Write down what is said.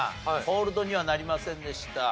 コールドにはなりませんでした。